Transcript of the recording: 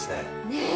ねえ